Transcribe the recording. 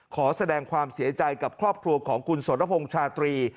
ขอแสดงความเสียใจกับครอบครัวของคุณสรพงษ์ชาตรี